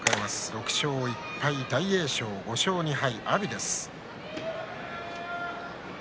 ６勝１敗の大栄翔と５勝２敗の阿炎です。